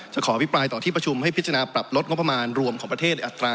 ขออภิปรายต่อที่ประชุมให้พิจารณาปรับลดงบประมาณรวมของประเทศอัตรา